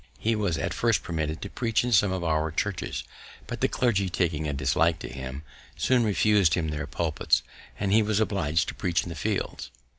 He was at first permitted to preach in some of our churches; but the clergy, taking a dislike to him, soon refus'd him their pulpits, and he was oblig'd to preach in the fields.